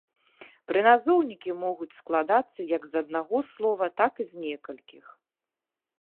Прыназоўнікі могуць складацца як з аднаго слова, так і з некалькіх.